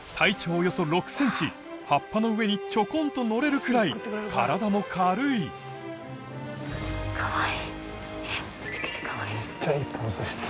およそ６ｃｍ葉っぱの上にちょこんと乗れるくらい体も軽いかわいい。